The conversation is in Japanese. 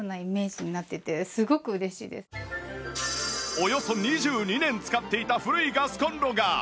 およそ２２年使っていた古いガスコンロが